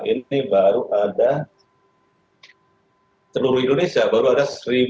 ini baru ada seluruh indonesia baru ada satu tiga ratus delapan puluh delapan